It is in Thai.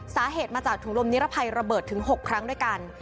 สาเหตุมาจากถุงลมนิรภัยระเบิดถึง๖ครั้งด้วยกัน